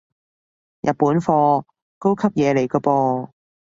日本貨，高級嘢嚟個噃